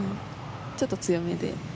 ちょっと強めで。